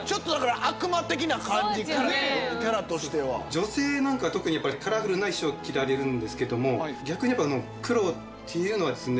女性なんかは特にカラフルな衣装を着られるんですけども逆にやっぱ黒っていうのはですね